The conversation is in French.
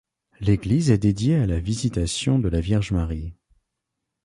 L'église est dédiée à la Visitation de la Vierge Marie.